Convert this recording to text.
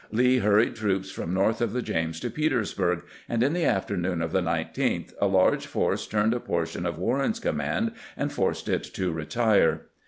Lee hurried troops from north of the James to Petersburg, and in the afternoon of the 19th a large force turned a portion of Warren's command and forced it to retire.